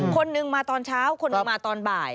คนนึงมาตอนเช้าคนนึงมาตอนบ่าย